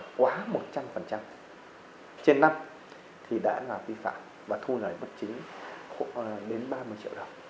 tức là quá hai mươi chúng ta gọi là quá một trăm linh trên năm thì đã là vi phạm và thu lời bất chính đến ba mươi triệu đồng